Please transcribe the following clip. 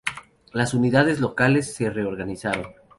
Las unidades locales se reorganizaron.